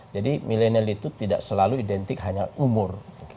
jadi milenial itu tidak selalu identik hanya umur